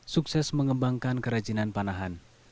sukses mengembangkan kerajinan panahan